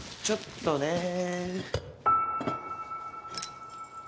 ちょっとね。